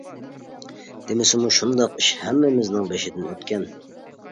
دېمىسىمۇ شۇنداق ئىش ھەممىمىزنىڭ بېشىدىن ئۆتكەن.